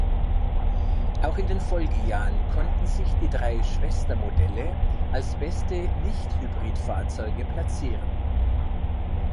Auch in den Folgejahren konnten sich die drei Schwestermodelle als beste Nicht-Hybrid-Fahrzeuge platzieren.